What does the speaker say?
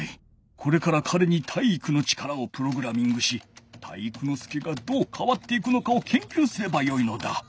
これからかれに体育の力をプログラミングし体育ノ介がどうかわっていくのかをけんきゅうすればよいのだ。